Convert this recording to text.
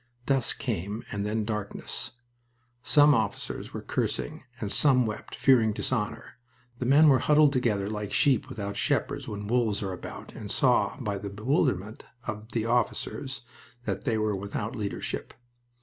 Dusk came, and then darkness. Some officers were cursing, and some wept, fearing dishonor. The men were huddled together like sheep without shepherds when wolves are about, and saw by the bewilderment of the officers that they were without leadership.